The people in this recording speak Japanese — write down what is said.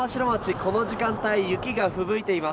この時間帯雪がふぶいています。